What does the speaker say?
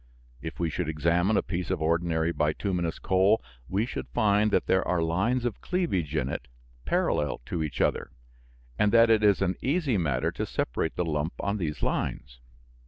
If we should examine a piece of ordinary bituminous coal we should find that there are lines of cleavage in it parallel to each other, and that it is an easy matter to separate the lump on these lines.